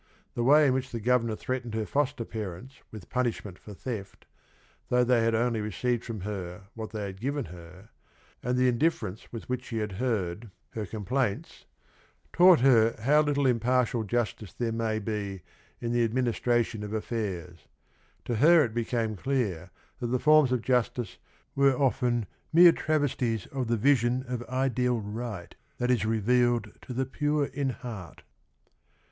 The way in which the Governor threatened her foster parents with punishment for theft, though they had only received from her what they had given her, and the indifference with which he had heard her com 128 THE RING AND THE BOOK plaints, taught her how little impartial justice there may be in the administration of affairs. To her it became clear that the forms of jus tice were often mere travesties of the vision of ideal right, that is revealed to the "pure in heart."